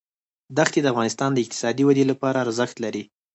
دښتې د افغانستان د اقتصادي ودې لپاره ارزښت لري.